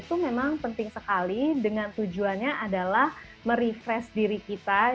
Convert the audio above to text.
itu memang penting sekali dengan tujuannya adalah merefresh diri kita